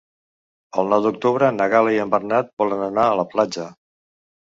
El nou d'octubre na Gal·la i en Bernat volen anar a la platja.